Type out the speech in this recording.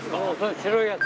白いやつ。